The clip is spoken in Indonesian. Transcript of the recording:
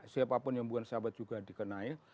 siapapun yang bukan sahabat juga dikenai